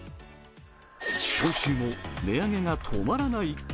今週も値上げが止まらない。